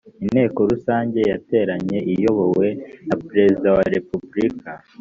inteko rusange yateranye iyobowe na perezida wa repeburika